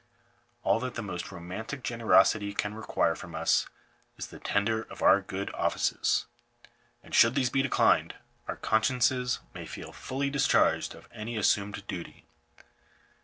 All that the most ro mantic generosity can require from us, is the tender of our good offices; and should these be declined, our consciences may feel fully discharged of any assumed duty.